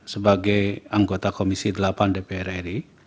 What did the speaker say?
sebagai anggota komisi delapan dpr ri